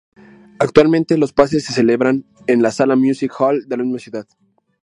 Actualmente los pases se celebran en la sala Music Hall de la misma ciudad.